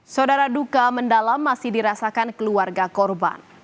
saudara duka mendalam masih dirasakan keluarga korban